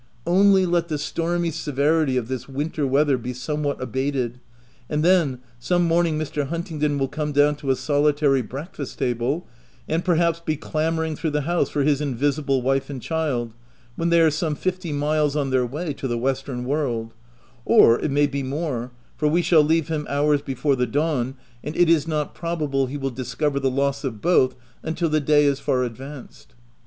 Only let the stormy severity of this winter weather be somewhat abated, and then, some morning Mr. Huntingdon will come down to a solitary break fast table, and perhaps be clamouring through the house for his invisible wife and child, when they are some fifty miles on their way to the western world— or it may be more, for we shall leave him hours before the dawn, and it is not OF WILDFELL HALL. 55 probable he will discover the loss of both, until the day is far advanced.